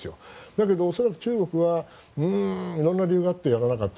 だけどおそらく中国は色んな理由があってやらなかった。